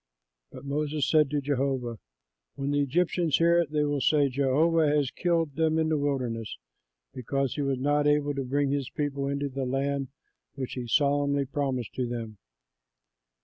But Moses said to Jehovah, "When the Egyptians hear it, they will say, 'Jehovah has killed them in the wilderness because he was not able to bring this people into the land which he solemnly promised to them.'